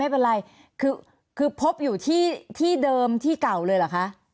ไม่เป็นไรคือพบอยู่ที่เดิมที่เก่าเลยเหรอคะ